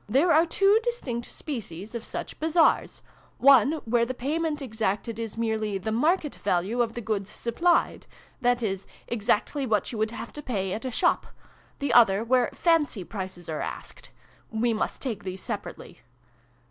" There are two distinct species of such Bazaars : one, where the payment exacted is merely the market value of the goods supplied, that is, exactly what you would have to pay at a shop : the other, where fancy prices are asked. We must take these separately.